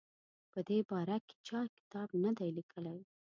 په دې باره کې چا کتاب نه دی لیکلی.